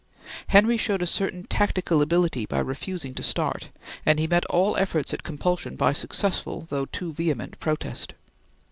Henry showed a certain tactical ability by refusing to start, and he met all efforts at compulsion by successful, though too vehement protest.